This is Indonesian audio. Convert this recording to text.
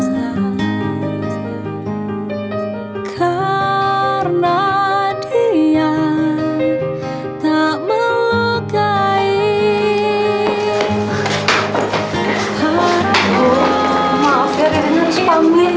maaf ya ririn harus pampah